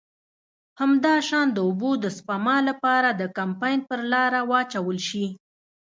همداشان د اوبو د سپما له پاره د کمپاین پر لاره واچول شي.